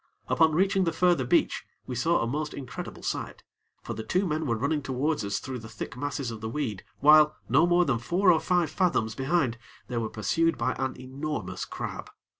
Upon reaching the further beach, we saw a most incredible sight; for the two men were running towards us through the thick masses of the weed, while, no more than four or five fathoms behind, they were pursued by an enormous crab.